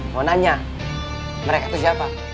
mau nanya mereka itu siapa